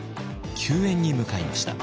救援に向かいました。